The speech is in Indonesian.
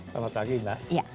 selamat pagi mbak